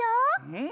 うん！